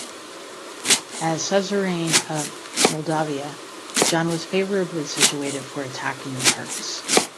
As suzerain of Moldavia, John was favorably situated for attacking the Turks.